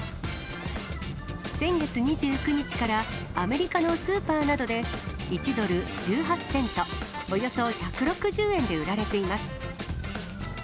先月２９日から、アメリカのスーパーなどで、１ドル１８セント、およそ１６０円で売られています。